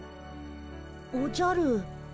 おじゃる。